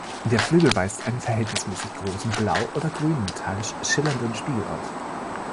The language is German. Der Flügel weist einen verhältnismäßig großen, blau oder grün metallisch schillernden Spiegel auf.